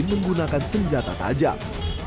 menggunakan senjata tajam